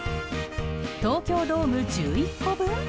東京ドーム１１個分？